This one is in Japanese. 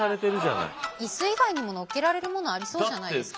椅子以外にも載っけられるものありそうじゃないですか？